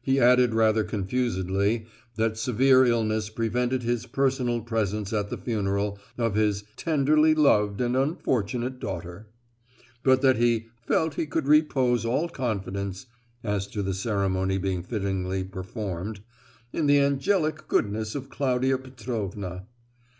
He added rather confusedly that severe illness prevented his personal presence at the funeral of his "tenderly loved and unfortunate daughter," but that he "felt he could repose all confidence (as to the ceremony being fittingly performed) in the angelic goodness of Claudia Petrovna."